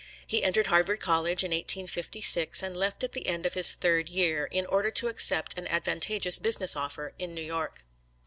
He entered Harvard College in 1856, and left at the end of his third year, in order to accept an advantageous business offer in New York.